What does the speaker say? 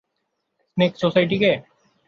Snake সোসাইটিকে?